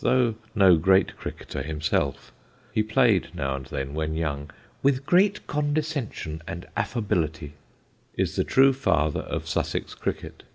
though no great cricketer himself (he played now and then when young "with great condescension and affability"), is the true father of Sussex cricket.